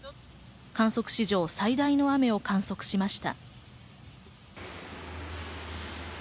観測史上最大の雨を観測しました。